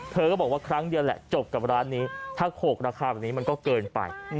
เธอก็บอกว่าครั้งเดียวแหละจบกับร้านนี้ถ้าโขกราคาแบบนี้มันก็เกินไป